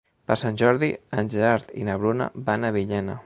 Per Sant Jordi en Gerard i na Bruna van a Villena.